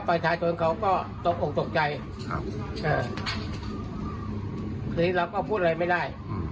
ปัญชาชนเขาก็ตกอกตกใจครับคือเราก็พูดอะไรไม่ได้